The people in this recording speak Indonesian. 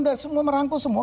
dari dulu merangkul semua